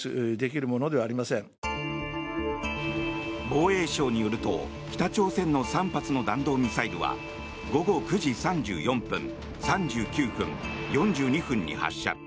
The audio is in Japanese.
防衛省によると北朝鮮の３発の弾道ミサイルは午後９時３４分、３９分４２分に発射。